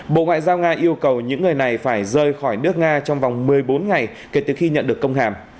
bộ ngoại giao nga yêu cầu những người này phải rời khỏi nước nga trong vòng một mươi bốn ngày kể từ khi nhận được công hàm